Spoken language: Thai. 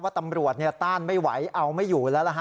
ว่าตำรวจต้านไม่ไหวอ้าวไม่อยู่แล้วแล้ว